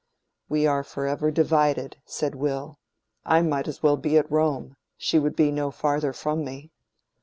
"We are forever divided," said Will. "I might as well be at Rome; she would be no farther from me."